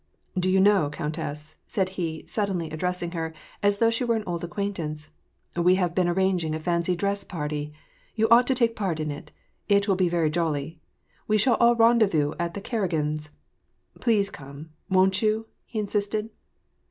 '' Do you know, countess>" said he, suddenly addressing her as though she were an old acquaintance, '' we have been arran ging a fancy dress party.* You ought to take part in it. It will be very jolly. We shall all rendezvous at the Karagins'. Please come, won't you ?" he insisted.